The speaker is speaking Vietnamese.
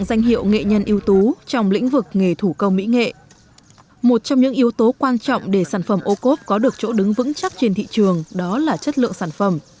một trong những yếu tố quan trọng để sản phẩm ô cốp có được chỗ đứng vững chắc trên thị trường đó là chất lượng sản phẩm